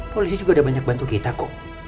polisi juga udah banyak bantu kita kok